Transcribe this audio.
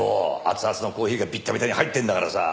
熱々のコーヒーがビッタビタに入ってるんだからさ。